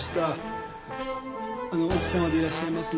あのー奥さまでいらっしゃいますね。